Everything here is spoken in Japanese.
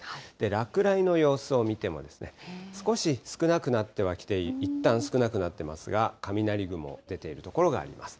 落雷の様子を見てもですね、少し少なくなってはきて、いったん少なくなっていますが、雷雲、出ている所があります。